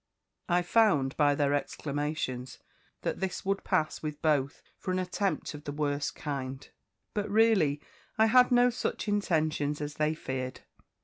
I found, by their exclamations, that this would pass with both for an attempt of the worst kind; but really I had no such intentions as they feared.